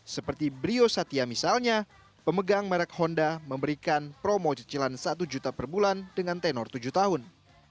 seperti brio satya misalnya pemegang merek honda memberikan promo cicilan satu juta per bulan dengan tenor tujuh tahun